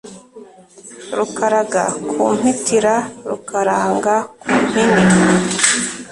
Rukaraga ku mpitira Rukaranga ku mpini